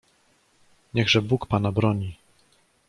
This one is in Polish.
"Niechże Bóg pana broni!"